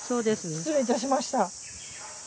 失礼いたしました。